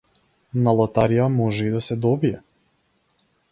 На лотарија може и да се добие.